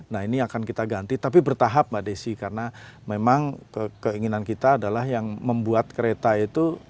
nah ini akan kita ganti tapi bertahap mbak desi karena memang keinginan kita adalah yang membuat kereta itu